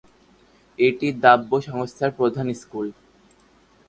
এটি দাতব্য সংস্থার প্রধান স্কুল।